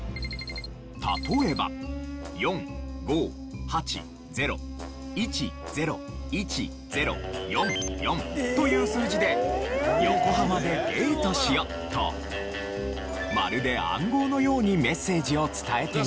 例えば４５８０１０１０４４という数字で「ヨコハマでデートしよ」とまるで暗号のようにメッセージを伝えていました。